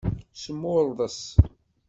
Smurḍes.